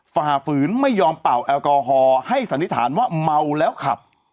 ฝ่าฝืนไม่ยอมเป่าแอลกอฮอล์ให้สันนิษฐานว่าเมาแล้วขับ